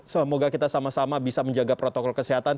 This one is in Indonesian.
semoga kita sama sama bisa menjaga protokol kesehatan